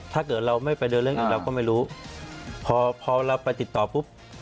ถ้าเกิดเราไม่ไปเดินเรื่องอีกเราก็ไม่รู้พอพอเราไปติดต่อปุ๊บ